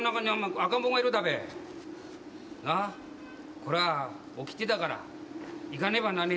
これはおきてだから行かねばなんねえんだ。